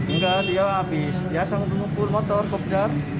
enggak dia abis biasa ngumpul ngumpul motor kok bedar